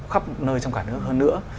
khắp nơi trong cả nước hơn nữa